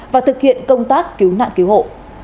và thực hiện công tác cứu nạn cứu hộ